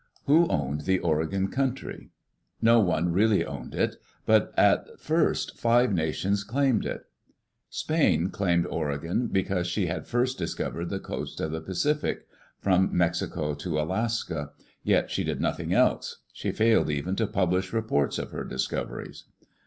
Who owned the Oregon country? No one really owned it; but at first five nations claimed it. Spain claimed Oregon becausie she had first discovered the coast of the Pacific, from Mexico to Alaska. Yet she did nothing else; she failed even to publish reports of her discoveries.